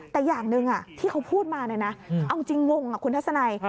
แต่อย่างหนึ่งที่เขาพูดมาเนี่ยนะเอาจริงงงคุณทัศนัย